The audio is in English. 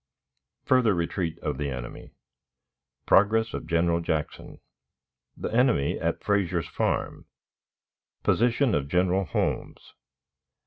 Further Retreat of the Enemy. Progress of General Jackson. The Enemy at Frazier's Farm. Position of General Holmes.